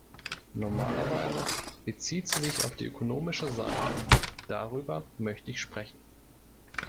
Normalerweise bezieht sie sich auf die ökonomische Seite darüber möchte ich sprechen.